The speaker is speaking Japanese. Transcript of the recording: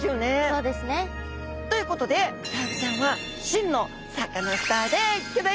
そうですね。ということでクサフグちゃんは真のサカナスターでギョざいます！